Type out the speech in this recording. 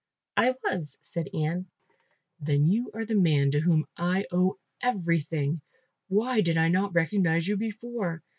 "I was," said Ian. "Then you are the man to whom I owe everything. Why did I not recognise you before?